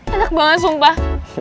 enak banget sumpah